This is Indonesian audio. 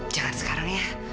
jangan sekarang ya